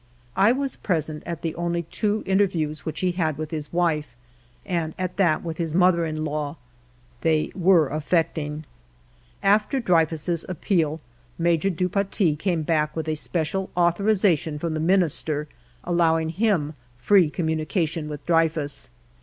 I was present at the only two interviews 46 FIVE YEARS OF MY LIFE which he had with his wife, and at that with his mother in law; they were affecting. After Dreyfus' appeal, Major du Paty came back with a special authorization from the Minister allowing him free communication with Dreyfus.